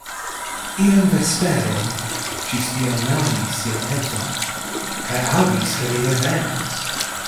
Ian vesperon ŝi spionadis sian edzon, kaj aŭdis, ke li revenas.